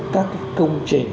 các công trình